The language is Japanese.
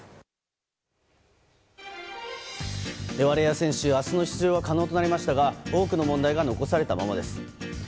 ワリエワ選手、明日の出場は可能となりましたが多くの問題が残されたままです。